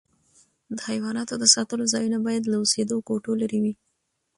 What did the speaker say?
د حیواناتو د ساتلو ځایونه باید له اوسېدو کوټو لیري وي.